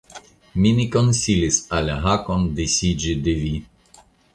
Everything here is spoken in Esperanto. Mi ne konsilis al Hakon disiĝi de vi!